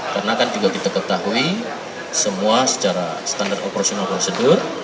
karena kan juga kita ketahui semua secara standar operasional prosedur